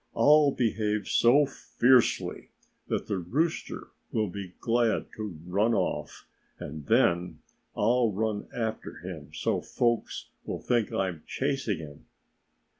"I'll behave so fiercely that the rooster will be glad to run off. And then I'll run after him so folks will think I am chasing him."